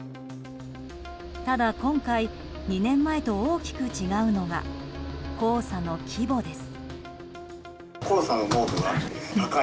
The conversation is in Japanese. ただ、今回２年前と大きく違うのが黄砂の規模です。